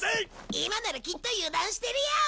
今ならきっと油断してるよ！